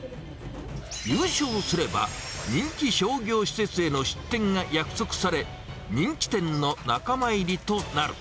優勝すれば、人気商業施設への出店が約束され、人気店の仲間入りとなる。